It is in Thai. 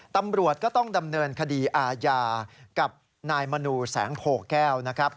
ตำรวจก็ต้องดำเนินคดีอาญากับนายมนูแสงโพแก้วนะครับ